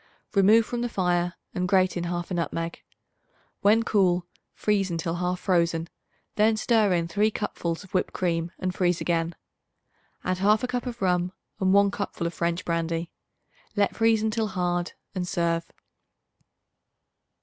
Remove from the fire and grate in 1/2 nutmeg. When cool, freeze until half frozen; then stir in 3 cupfuls of whipped cream and freeze again. Add 1/2 cup of rum and 1 cupful of French brandy. Let freeze until hard and serve.